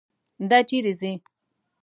دا چیرې ځي.